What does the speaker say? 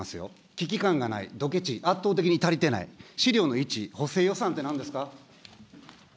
危機感がない、どけち、圧倒的に足りてない、資料の１、補正予算ってなんですか。